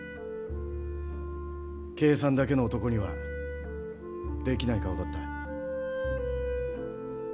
計算だけの男にはできない顔だった。